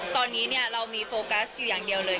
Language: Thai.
ตอนนี้เรามีโฟกัสอยู่อย่างเดียวเลย